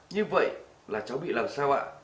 như vậy là cháu bị làm sao ạ